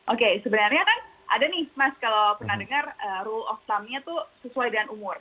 oke sebenarnya kan ada nih mas kalau pernah dengar rule of trump nya tuh sesuai dengan umur